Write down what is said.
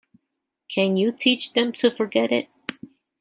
Can you teach them to forget it?